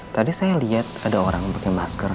tadi saya liat ada orang pake masker